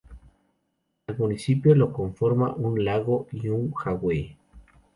Al municipio lo conforma un lago y un jagüey.